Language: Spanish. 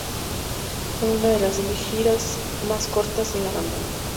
Fue una de las giras más cortas de la banda.